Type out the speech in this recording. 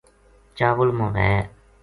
چاول ما وھے